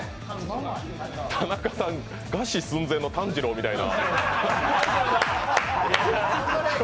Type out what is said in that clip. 田中さん、餓死寸前の炭治郎みたいな。